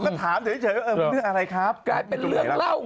ก็ถามเฉยว่าเออมันเรื่องอะไรครับกลายเป็นเรื่องเล่า